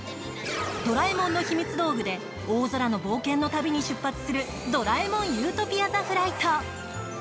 ドラえもんのひみつ道具で大空への冒険の旅に出発する「ドラえもん理想郷ザ・フライト」。